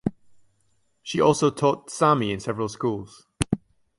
She also taught Sami in several schools.